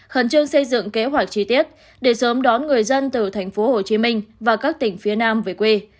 khẩn trương xây dựng kế hoạch chi tiết để sớm đón người dân từ thành phố hồ chí minh và các tỉnh phía nam về quê